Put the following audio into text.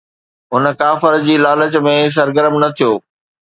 هن ڪافر جي لالچ ۾ سرگرم نه ٿيو